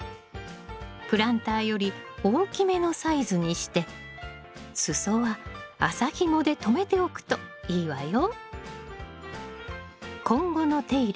プランターより大きめのサイズにして裾は麻ひもでとめておくといいわよ。